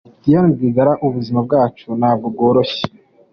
Diane Rwigara: "Ubuzima bwacu ntabwo bworoshye".